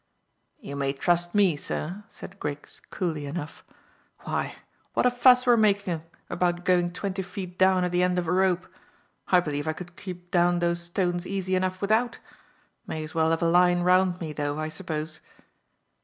"You may trust me, sir," said Griggs, coolly enough. "Why, what a fuss we're making about going twenty feet down at the end of a rope. I believe I could creep down those stones easy enough without. May as well have a line round me, though, I suppose."